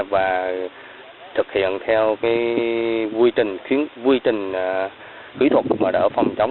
và thực hiện theo quy trình kỹ thuật mở đỡ phòng chống